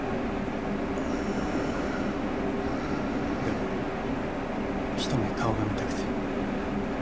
でも一目顔が見たくて。